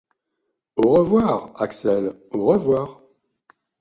························« Au revoir, Axel ! au revoir !